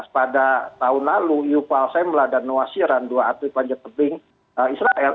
pada tahun lalu yuval semla dan noah shiran dua atlet panjat tebing israel